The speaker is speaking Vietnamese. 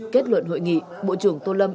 kết luận hội nghị bộ trưởng tô lâm